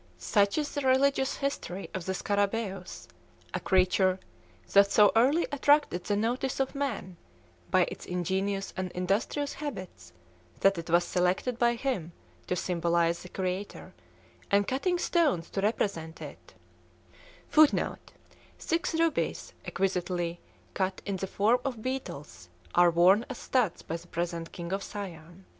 Such is the religious history of the scarabæus, a creature that so early attracted the notice of man by its ingenious and industrious habits, that it was selected by him to symbolize the Creator; and cutting stones to represent it, [FOOTNOTE: Six rubies, exquisitely cut in the form of beetles, are worn as studs by the present King of Siam.